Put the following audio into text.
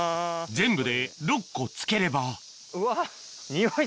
全部で６個付ければうわ！